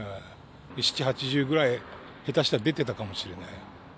７、８０ぐらい、下手したら出てたかもしれない。